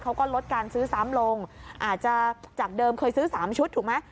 เขาก็ลดการซื้อซ้ำลงอาจจะจากเดิมเคยซื้อ๓ชุดถูกไหม